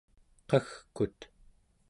qagkut